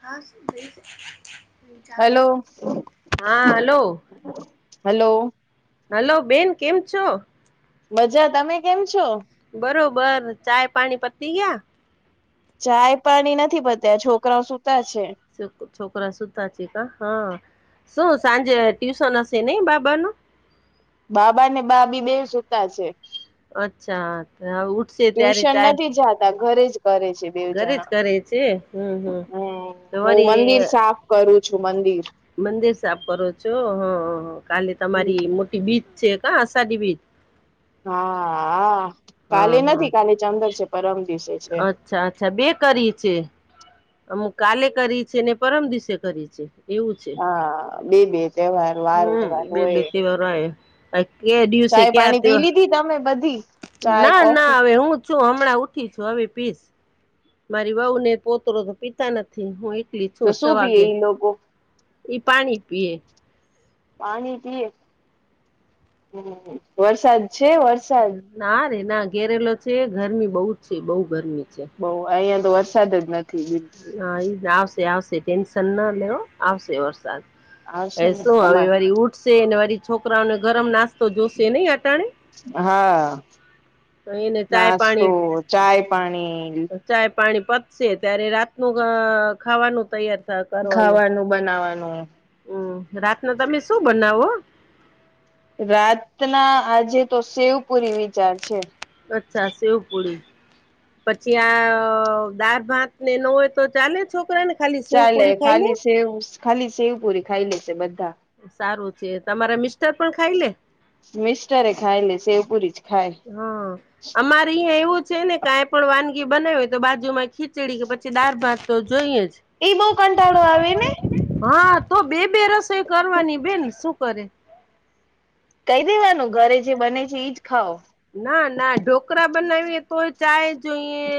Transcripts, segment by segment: હા, શું કરે છે? હલો હા હલો હલો હલો બેન કેમ છો? મજા તમે કેમ છો? બરોબર ચાય પાણી પતી ગ્યા ચાય પાણી નથી પત્યા છોકરાઓ સુતા છે. છોકરા સુતા છે કા હા શું સાંજે ટ્યુશન હશે નહિ બાબા નુ. બાબા ને બાબી બે સુતા છે. અચ્છા ઉઠશે ત્યારે ચાય બધા ઘરે જ કરે છે બેવ ઘરે જ જણા કરે છે હમ હમ હમ્મ હું મંદિર તમારી સાફ કરું છું મંદિર. મંદિર સાફ કરો છો હ હ હ કાલે હમ તમારી મોટી બીજ છે કા અષાઢી બીજ હા હા કાલે હા હા નથી કાલે ચંદર છે પરમ દિવસે છે. અચ્છા અચ્છા બે કરી છે. અમુક કાલે કરી છે ને પરમ દિવસે કરી છે એવું છે. હા બે બે તહેવાર વાર વહેવાર હોય. [unintelligible] કેયા દિવસે ચાય ક્યા પાણી પી તેહ લીધી તમે બધી ચાય ના ના કોફી હવે હું છું હમણાં ઉઠી છું હવે પીસ મારી વઉ ને પોતરો તો પીતા નથી હું એ ટલી તો છું છ શું પીએ વાગે ઈ લોકો ઈ પાણી પીએ. પાણી પીએ હમ્મ વરસાદ છે વરસાદ ના રે ના ઘેરેલો છે ગરમી બઉ જ છે બઉ ગરમી છે. બઉ અહીયાં તો વરસાદ જ નથી બી હા એ આવશે આવશે ટેન્શન ના લ્યો આવશે વરસાદ. અ આવશે ને શું હવે તમાર વળી ઉઠશે અને વરી છોકરાઓને ગરમ નાસ્તો જોશે નહી અટાણે હા તો એને ચાય નાસ્તો પાણી ચાય પાણી ચાય પાણી પતશે ત્યારે રાતનું અ ખાવાનું તૈયાર તા કરવાનું ખાવાનું બનાવાનું હમ્મ રાતના તમે શું બનાવો? રાતના આજે તો શેવપુરી વિચાર છે. અચ્છા સેવ પૂળી પછી આ દાળ ભાત ને નો હોય તો ચાલે છોકરાને ચાલે ખાલી સેવ ખાલી સેવ પુરી ખાઈ લેશે બધા. સારું છે તમારા મિસ્ટર પણ ખાઈ લે. મીસ્ટરે ખાય લે સેવ પુરી જ ખાય હ અમાર અહીંયા એવું છે ને કાઈ પણ વાનગી બનાવી તો બાજુમાં ખીચડી કે પછી દાળ ભાત તો જોઈએ જ ઈ બહુ કંટાળો આવે ને હા તો બે બે રસોઈ કરવાની બેન શું કરે. કહી દેવાનું ઘરે જે બને છે ઈજ ખાઓ. ના, ના ઢોકળા બનાવીએ તોય ચાય જોઈએ.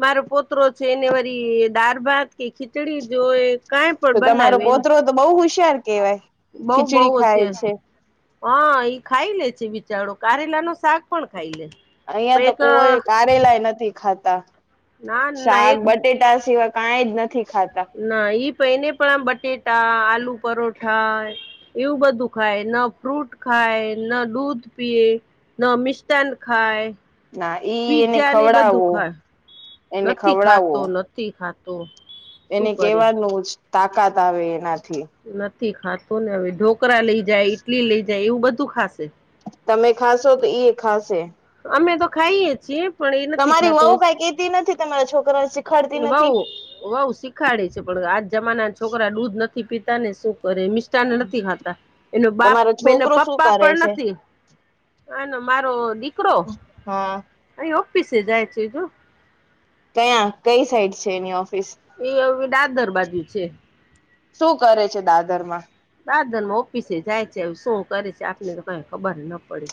મારો પોતરો છે એને વળી દાળ-ભાત કે ખીચડી જોઈ કાંઈ તો પણ તમારો બનાવીન, પોતરો તો બહુ હોશિયાર કેવાય બઉ-બઉ ખીચડી ખાય હોશિયાર છે હા ઈ ખાઈ લે છે બિચારો, કારેલા નુ શાક પણ ખાઈ લે. અહિયાં પણ તો એક કોઈ કારેલાય નથી ખાતા, ના ના શાક એક બટેટા સિવાય કાંઈ જ નથી ખાતા. ના ઈ પે એને પણ આમ બટેટા, આલુ પરોઠા એવું બધું ખાય, ન ફ્રૂટ ખાય, ન દૂધ પીએ. ન મિષ્ટાન ખાય. ના ઈ એને પીઝા ને બધું ખવડાવો, ખાય એને નથી ખવડાવો. ખાતો નથી ખાતો. શું એને કરે કેવાનું જ તાકાત આવે એનાથી. નથી ખાતો ને હવે, ઢોકળા લઈ જાય, ઈટલી લઈ જાય એવું બધું ખાશે. તમે ખાશો તો ઈએ ખાશે. અમે તો ખાઈએ છીએ. પણ એ નથી તમારી ખાતો વહું કાંઈ કહેતી નથી તમારા છોકરા વિશે? એની વહુ-વહુ શી ખાડે છે, પણ આજ જમાનાના છોકરા દૂધ નથી પીતા ને શું કરે, મિસ ટાન એય નથી ખાતા, એનો બાપ તમારો એનો છોકરો શું પપ્પા કરે પણ છે નથી. આનો મારો દીકરો હા અહીં ઓફિસે જાય છે જો. કયાં? કંઈ સાઈડ છે એની ઓફિસ? ઈ હવે એવી દાદર બાજુ છે. શું કરે છે દાદર માં? દાદરમાં ઓફિસે જાય છે, હવે શું કરે છે આપને તો કઈ ખબર ન પડે.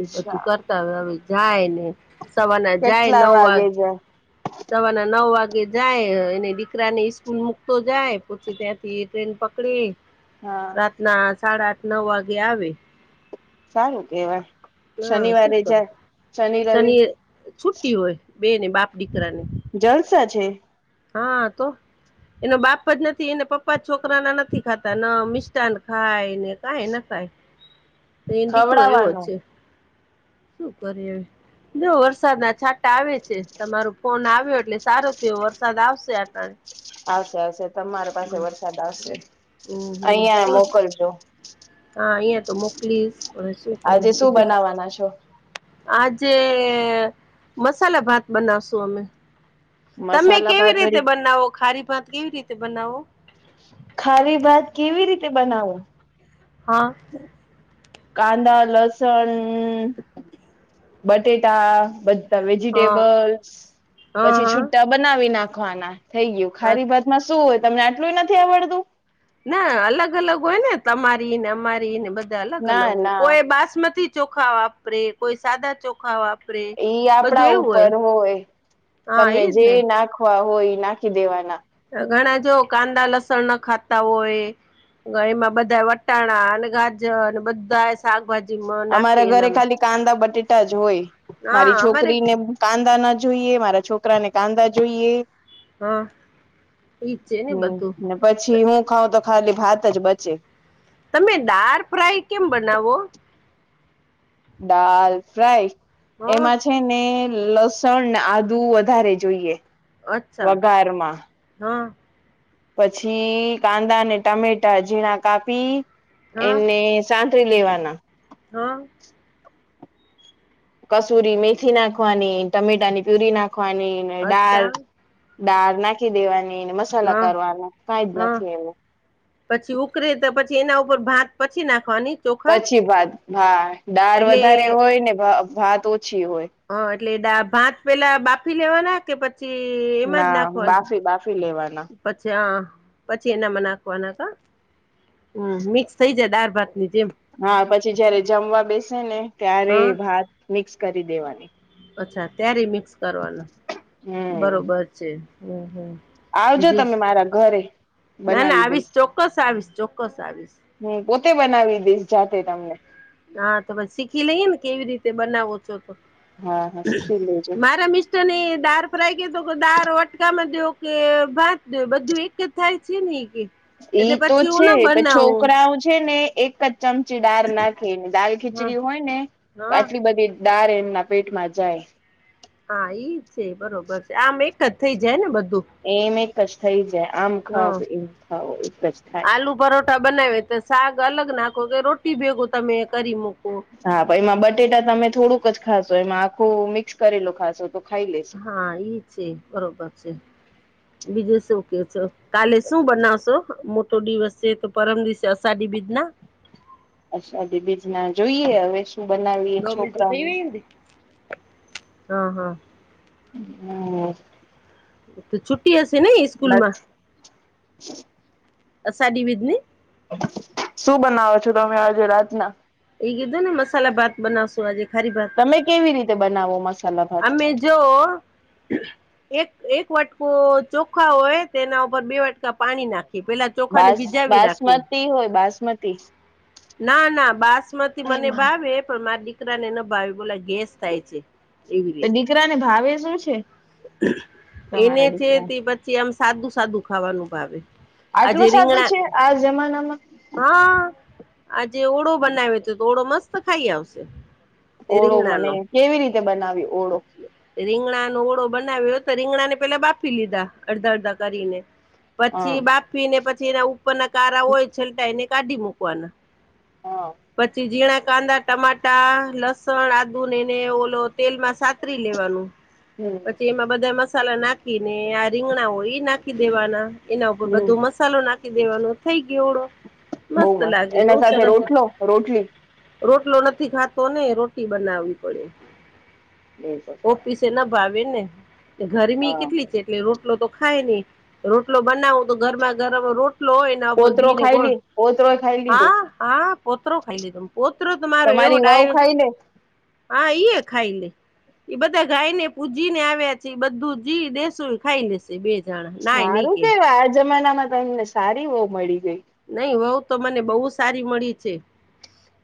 એ બધું કરતા હોય હવે, ઈ. જાય ને સવારના જાય કેટલા નવ વાગ વાગે જાય સવારના નવ વાગે જાય, અને દીકરાને ઈસ્કૂલ મુકતો જાય પછી ત્યાંથી ટ્રેન પકડી હા. ના સાડા આઠ, નવ વાગે આવે. સારું કહેવાય. હા શનિવારે જાય, શનિ રવિ છુટી હોય, બેય ને બાપ દીકરાની. જલસા છે. હા તો. એનો બાપ જ નથી, એને પપ્પા જ છોકરા ના નથી ખાતા, ન મિષ્ટાાન ખાઈ ને કાઈ ના ખાય. [inaudible] એ ઈન દીકરોય એવો જ ખવડાવાનું છે, શું કરે હવે. જો વરસાદના છાટ ટાં આવે છે, તમારો ફોન આવ્યો એટલે સારો થયો વરસ આવશે-આવશે તમારે પાસે હમ વરસ સાદ આવશે. હમ હમ અહીંયાઈ શું મોકલજો. હા, અહીયાં તો મોકલીશ. પણ શું કરું આજે શું બીજું બનાવવાના છો? આજે મસાલા ભાત બનાવશું અમે. તમે મસાલા કેવી ભાત રીતે ભરી બનાવો, ખારી ભાત કેવી રીતે બનાવો? ખારી ભાત કેવી રીતે બનાવું? હા. કાંદા, લસણ બટેટા બધ ધા હા વેજીિટેબલ્સ, હા પછી હા છુટ્ટા બનાવી નાખવાના, થઈ ગયું. ખારી ભાત અચ્છા માં શ શું હોય, તમને આટલુંય નથી આવડતું? ના અલગ અલગ હોય ને તમારી ને અમારી ને બધે અલગ ના અલગ હો ના કોઈ બાસમતી ચોખા વાપરે કોઈ સાદા ચોખા વાપરે. ઈ બધું આપડા એવું ઉપર હોય હા તમને એજ જે ને નાખવા હોય નાખી દેવાના. ઘણા જો કાંદા લસણ ન ખાતા હોય. એમાં બધા વટાણા અને ગાજર અને બધા શાકભાજી અમારા નાખી ઘરે એના ખાલી કાંદા બટેટા જ હોય મારી અમારે છોકરી ને કાંદા ના જોઈએ મારા છોકરા ને કાંદા જોઈએ. હા ઈજ છે ને હમ બધું. ને પછી હું ખાઉં તો ખાલી ભાત જ બચે. તમે દાળ ફ્રાય કેમ બનાવો? દાલ ફ્રાય હા એમાં છે ને લસણને આદુ વધારે જોઈએ. અચ્છા વઘારમાં હા પછી કાંદા ને ટમેટા ઝીણા કાપી હા એને સાંત્રી લેવાના. હા કસૂરી મેથી નાખવાની ટમેટાની પ્યુરી નાખવાની ને દાલ અચ્છા દાળ નાખી દેવાની ને મસાલા હા કરવાનું કઈ જ હા નથી એનું. પછી ઉકરે તો પછી એના ઉપર ભાત પછી નાખવાની ચોખા પછી ભાત ભા દાળ એટલે વધારે હોય ને ભા ભાત ઓછી હોય. હ એટલે દા ભાત પેલા બાફી લેવાના કે પછી એમાં જ ના નાખવાનું બાફી બાફી લેવાના પછી હ પછી એનામાં નાખવા નાખ હતા મિક્સ થઈ જાય દાળ ભાત હા પછી જયારે જમવા બેસે ને ત્યારે હા ભાત મિક્સ કરી દેવાની. અચ્છા ત્યારે મિક્સ કરવાના હમ બરોબર છે હમ હમ આવજો બીજું તમે મારા ઘરે ના ના બનાવી આવીશ ચોક્કસ આવીશ ચોક્કસ આવીશ હમ પોતે બનાવી ડિશ જાતે તમને હા તોમે શીખી લઈએ ને કેવી રીતે બનાવો છો તો હા હા શીખી લેજો મારા મિસ્ટર ને દાળ ફ્રાય કેતો કે દાળ વાટકામાં દો કે ભાત દો બધું એક જ થાય છે ન કે ઈ એટલે તો પછી હું છે ના પણ બનાવું છોકરાઓ છે ને એક જ ચમચી દાળ નાખી દાલ હા ખીચડી હોય ને હા આટલી બધી દાર એમના પેટમાં જાય. હા ઈજ છે બરોબર છે આમ એક જ થઇ જાય ને બધું. એમ એક જ થઈ જાય આમ ખાવ હા કે તેમ ખાવ એક જ થાય આલુ પરોઠા બનાવે તો શાક અલગ નાખો કે રોટી ભેગું તમે કરી મૂકો હા પહિ એમાં બટેટા તમે થોડુંક જ ખાશો એમાં આખું મિક્સ કરેલુ ખાશો તો ખાઈ લેશે. હા ઈજ છે બરોબર છે. બીજે શું કેવ છો કાલે શું બનાવશો મોટો દિવસ છે તો પરમ દિવસે અસાઢી બીજ ના અષાઢી બીજ ના જોઈએ હવે શું બનાવીએ દો મિનિટ થઈ છોકરાને ગઈ ને. હા હા હમ્મ. હમ્મ. તો છુટ્ટી હશે ને સ્કૂલ માં [inaudible] અષાઢી બીજની શું બનાવો છો તમે આજે રાતના એ કીધું ને મસાલા ભાત બનાવશું આજે ખારી ભાત તમે કેવી રીતે બનાવો મસા અમે જો એક એક વાટકો ચોખા હોય તેના ઉપર બે વાટકા પાણી નાખીએ પેલા ચોખાને બાસ ભીજાવી રાખીએ બાસમતી હોય બાસમતી ના ના બાસમતી મને ભાવે પણ મારા દીકરાને ના ભાવે બોલા ગેસ થાય છે. એવી તો રીતે દીકરાને ભાવે શું છે? એને તમારા છે દીકરાને? તે પછી આમ સાદું સાદું ખાવાનું ભાવે. આજે આટલું સાદું રીંગણા છે આ જમાના માં. હા આજે ઓળો બનાવેયો હતો તો ઓડો મસ્ત ખાઈ આવશે. ઓળો મને રીંગણાનો કેવી રીતે બનાવ્યું ઓળો રીંગણાનો ઓળો બનાવ્યો તો રીંગણા ને પેલા બાફી લીધા અડધા અડધા કરીને હા પછી બાફીને પછી એના ઉપરના કારા હોય છેલટા એને કાઢી મૂકવાના હા પછી ઝીણા કાંદા ટમાટા લસણ આદુ ને એને ઓલો તેલમાં સા ત્રી લેવાનું હમ પછી એમાં બધા મસાલા નાખી ને આ રીંગણા હોય ઈ નાખી દેવાના એના ઉપર બધો હમ મસાલો નાખી દેવાનો થઈ ગયો ઓડો બહુ મસ્ત લાગે બઉ એના સાથે સરસ રોટલો રોટલી રોટલો નથી ખાતો ને રોટી બનાવી પડે. ઓફીસે ના ભાવે ને ગરમી હા કેટલી છે. એટલે રોટલો તો ખાયે ની રોટલો બનાવું તો ગરમાં ગરમ રોટલો હોય. ઉપર પોતરો ઘી ને ખાઈ ગોળ લે પોતરો ખાઈ હા લીધું હા, પોતરો ખાઈ લે તમ પોતરો તો મારો એવો તમારી વહુ ડાયો ખાઈ લે હા, ઈ એ ખાઈ લે. ઈ બધા ગાય ને પૂજી ને આવ્યા છે એ બધું જી દેસું ખાઈ લેસે. બે જણા. નાય નહી હારું કે કેવા આ જમાના માં તમને સારી વોવ મળી ગેઈ. નઈ વોઉ તો મને બોઉ સારી મળી છે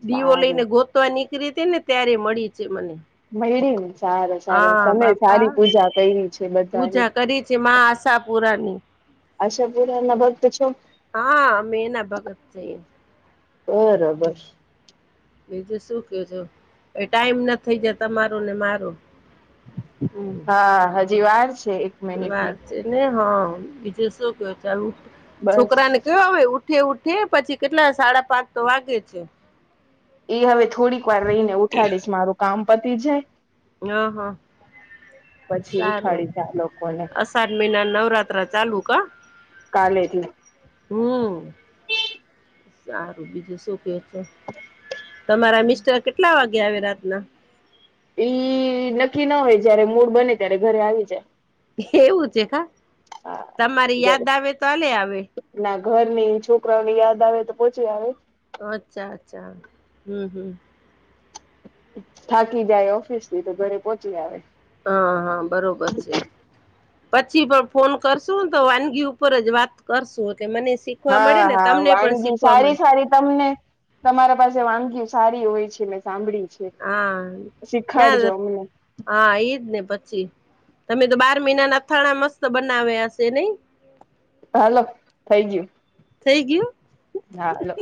દીવો લઈને સારું ગો તવા નીકળી હતી ને ત્યારે મળી છે મને. મયળીને. સારું સારું હા તમે બાપા સારી પૂજા કયરી છે બધાની. પૂજા કરી છે મા આશાપુરાની આશાપૂરાના ભકત છો? હા અમે એના ભગત છીએ બરોબર. બીજું શું કે છો એ ટાઈમના થઈ જા તમારું ને મારું. હમ. હા, હજી વાર છે. વાત મિનિટની છેને હા વિદેશો કેય છે બસ છોકરાને કયો હવે ઉઠે ઉઠે પછી કેટલા સાડા પાંચ તો વાગે છે. એ હવે થોડીક વાર રહીને ઉઠાડીશ મારું કામ પતિ જાય. ય હા. પછી સારું ઉઠાડીશ આ લોકોને અષાઢ મહિના નવરાત્રા ચાલુ કા. કાલે થી. હમ. સારું બીજું શું કે છે તમારા મિસ્ટર કેટલા વાગે આવે રાતના? ઈ નક્કી ના હોય જયારે મૂડ બને ત્યારે ઘરે આવી જાય. એવું છે કા હા તમારી યાદ જ્યારે આવે તો આલે આવે. ના ઘરની છોકરાઓની યાદ આવે તો પોચી આવે. અચ્છા અચ્છા, હમ હમ. થાકી જાય ઓફિસથી તો ઘરે પોચી આવે. હા હા, બરોબર છે. પછી પણ ફોન કરશું તો વાનગી ઉપર જ વાત કરશું કે મને શી હા હા, વાનગી સારી સારી તમને તમારા પાસે વાનગી સારી હોય છે મેં સાંભળ્યુ છે. હા ના શીખાડજો અમને. હા, ઈજ ને પછી. તમે તો બાર મહિનાના અથાણા મસ્ત બનાવ્યા છે નઈ. હાલો, થઈ ગયું. થઈ ગયુ? હા લો.